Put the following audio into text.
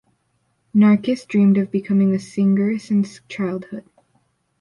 Narkis dreamed of becoming a singer since childhood.